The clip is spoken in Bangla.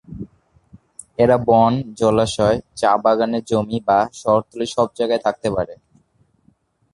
এরা বন, জলাশয়, চা বাগানের জমি বা শহরতলি সব জায়গায় থাকতে পারে।